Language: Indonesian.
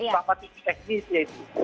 pragmatis teknis ya itu